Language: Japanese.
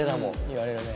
言われるね。